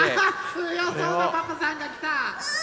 つよそうなパパさんがきた！